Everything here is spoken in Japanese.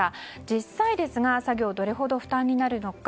実際、作業はどれほど負担になるのか。